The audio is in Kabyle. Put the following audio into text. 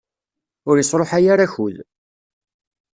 Ur isṛuḥay ara akud.